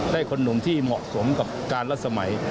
คนหนุ่มที่เหมาะสมกับการละสมัย